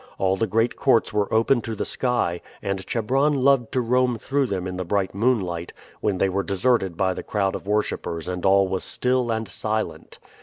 All the great courts were open to the sky, and Chebron loved to roam through them in the bright moonlight, when they were deserted by the crowd of worshipers and all was still and silent.